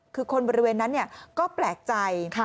คือคนบริเวณนั้นก็แปลกใจ